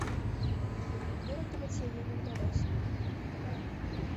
Выратаваць яе не ўдалося.